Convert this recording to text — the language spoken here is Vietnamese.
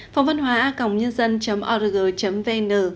phong văn hóa a nh org vn